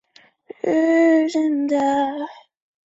二十九年驻扎御前前军统制兼主管中军军马。